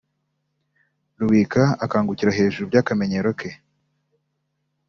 Rubika akangukira hejuru by’akamenyero ke